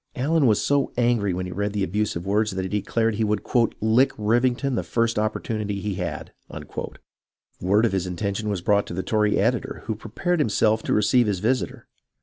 Allen was so angry when he read the abusive words that he declared he would " lick Rivington the first opportunity he had." Word of his intention was brought to the Tory editor, who prepared himself to receive his visitor.